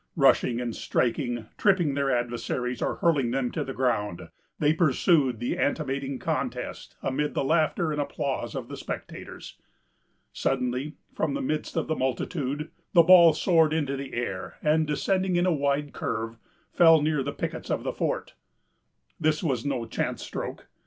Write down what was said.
Rushing and striking, tripping their adversaries, or hurling them to the ground, they pursued the animating contest amid the laughter and applause of the spectators. Suddenly, from the midst of the multitude, the ball soared into the air, and, descending in a wide curve, fell near the pickets of the fort. This was no chance stroke.